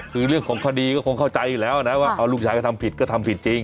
คือเรื่องของคดีก็คงเข้าใจอยู่แล้วนะว่าลูกชายก็ทำผิดก็ทำผิดจริง